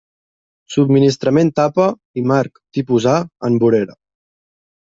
Subministrament tapa i marc Tipus A en vorera.